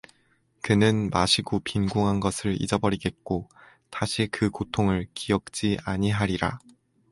그는 마시고 빈궁한 것을 잊어버리겠고 다시 그 고통을 기억지 아니하리라